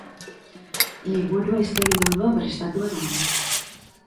Liburua hiztegi moduan prestatuta dago.